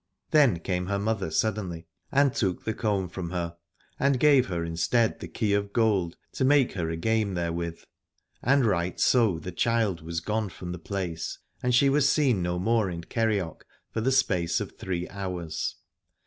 Then came her mother suddenly and took the comb from her, and gave her instead the key of gold, to make her a game therewith. And right so the child was gone from the place, and she was seen no more in Kerioc for the space of three hours.